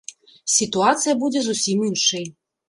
Сітуацыя будзе зусім іншай.